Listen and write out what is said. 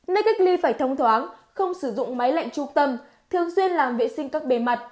nơi cách ly phải thông thoáng không sử dụng máy lạnh trung tâm thường xuyên làm vệ sinh các bề mặt